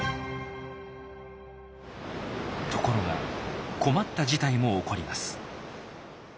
ところが困った事態も起こります。